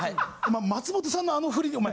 松本さんのあの振りでお前。